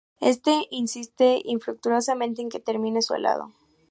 Este insiste, infructuosamente, en que termine su helado.